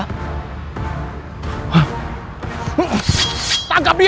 berhasil menjatuhkan seluruh